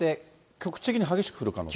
局地的に激しく降る可能性が？